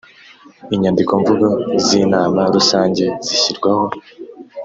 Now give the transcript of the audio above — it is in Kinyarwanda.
Inyandikomvugo z Inama rusange zishyirwaho